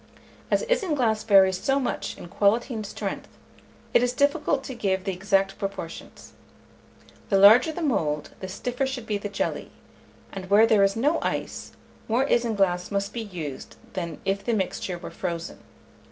As isinglass varies so much in quality and strength, it is difficult to give the exact proportions. The larger the mould, the stiffer should be the jelly; and where there is no ice, more isinglass must be used than if the mixture were frozen.